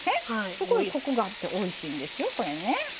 すごいコクがあっておいしいんですよ。